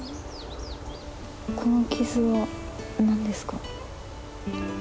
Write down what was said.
この傷はなんですか？